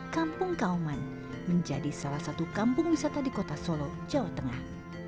kampung kauman menjadi salah satu kampung wisata di kota solo jawa tengah